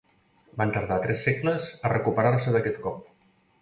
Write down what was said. Van tardar tres segles a recuperar-se d'aquest cop.